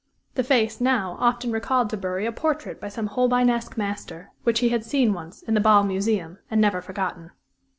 The face, now, often recalled to Bury a portrait by some Holbeinesque master, which he had seen once in the Basle Museum and never forgotten.